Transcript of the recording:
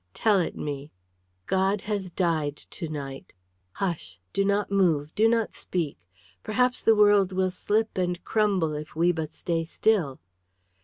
"Tell it me!" "God has died to night. Hush! Do not move! Do not speak! Perhaps the world will slip and crumble if we but stay still."